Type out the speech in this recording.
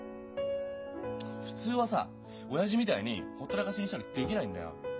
普通はさ親父みたいにほったらかしにしたりできないんだよ。